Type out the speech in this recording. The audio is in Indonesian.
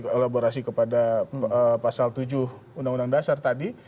kolaborasi kepada pasal tujuh undang undang dasar tadi